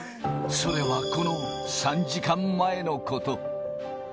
それはこの３時間前のこと。